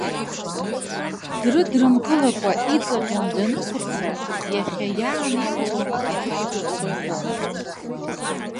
Дрыдрымкылакәа иҵаҟьан данықәырца, иахьа иааникыло аҭыԥ аҿы дзынхом.